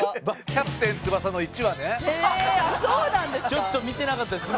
ちょっと見てなかったです。